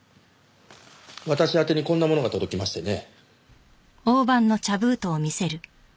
私宛てにこんなものが届きましてね。